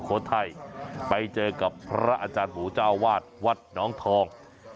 โทไทยไปเจอกับพระอาจารย์หูเจ้าวาดวัดน้องทอง